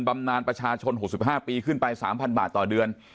บำนานประชาชน๖๕ปีขึ้นไป๓๐๐บาทต่อเดือน